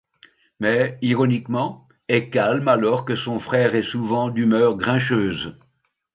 Mais, ironiquement, est calme alors que son frère est souvent d'humeur grincheuse.